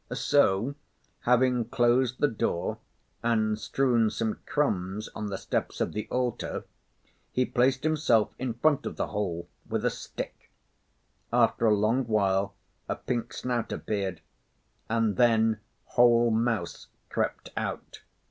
So, having closed the door and strewn some crumbs on the steps of the altar, he placed himself in front of the hole with a stick. After a long while a pink snout appeared, and then whole mouse crept out.